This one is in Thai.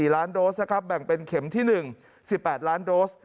๔ล้านโดสนะครับแบ่งเป็นเข็มที่๑๑๘ล้านโดส